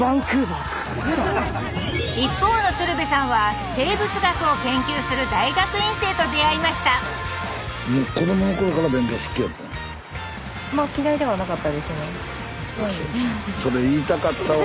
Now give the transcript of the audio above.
一方の鶴瓶さんは生物学を研究する大学院生と出会いましたそれ言いたかったわ。